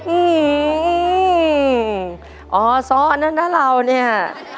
อืมอ๋อซ้อนนะนะเราเนี่ย